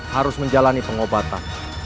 harus menjalani pengobatan